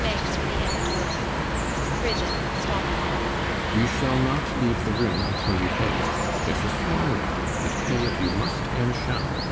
RIDGEON [stopping him] You shall not leave the room until you pay it. It's a small one; and pay it you must and shall.